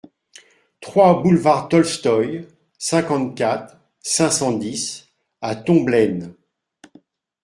trois boulevard Tolstoï, cinquante-quatre, cinq cent dix à Tomblaine